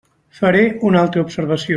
Faré una altra observació.